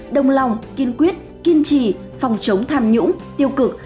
đồng lòng kiên quyết kiên trì phòng chống tham nhũng tiêu cực